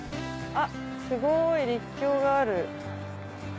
すごい陸橋がある。